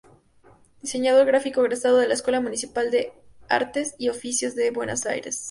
Diseñador gráfico egresado de la Escuela Municipal de Artes y Oficios de Buenos Aires.